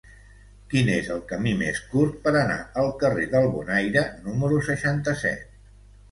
Quin és el camí més curt per anar al carrer del Bonaire número seixanta-set?